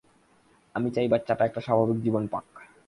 আমি চাই বাচ্চাটা একটা স্বাভাবিক জীবন পাক।